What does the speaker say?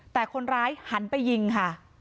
แต่คนร้ายหันไปยิงค่ะ